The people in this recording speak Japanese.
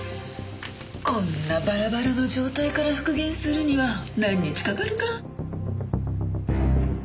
こんなバラバラの状態から復元するには何日かかるか。